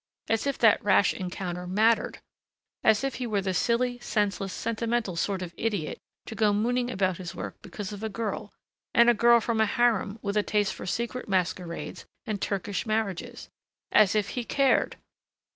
As if that rash encounter mattered! As if he were the silly, senseless sentimental sort of idiot to go mooning about his work because of a girl and a girl from a harem with a taste for secret masquerades and Turkish marriages! As if he cared